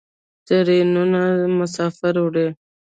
ټرینونه مسافر وړي.